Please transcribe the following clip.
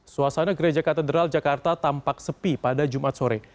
suasana gereja katedral jakarta tampak sepi pada jumat sore